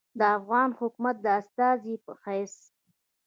د افغان حکومت د استازي پۀ حېث